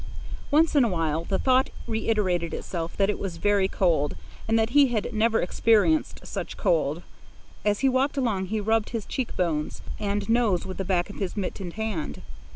Once in a while the thought reiterated itself that it was very cold and that he had never experienced such cold. As he walked along he rubbed his cheek bones and nose with the back of his mittened hand.